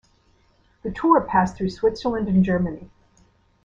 The Tour passed through Switzerland and Germany.